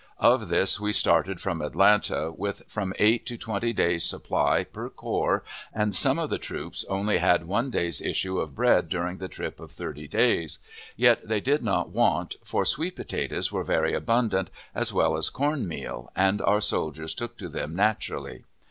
Of this we started from Atlanta, with from eight to twenty days' supply per corps and some of the troops only had one day's issue of bread during the trip of thirty days; yet they did not want, for sweet potatoes were very abundant, as well as corn meal, and our soldiers took to them naturally.